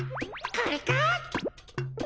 これか！